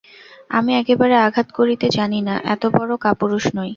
আমি একেবারে আঘাত করিতে জানি না, এতবড়ো কাপুরুষ নই।